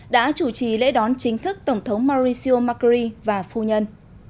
đã chủ trì lễ đón chính thức tổng thống mauricio macri và phu nhân